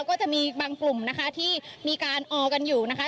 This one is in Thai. ก็จะมีบางกลุ่มนะคะที่มีการออกันอยู่นะคะ